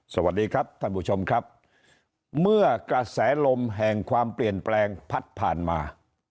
สวัสดีครับท่านผู้ชมครับเมื่อกระแสลมแห่งความเปลี่ยนแปลงพัดผ่านมา